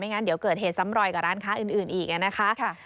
งั้นเดี๋ยวเกิดเหตุซ้ำรอยกับร้านค้าอื่นอีกนะคะ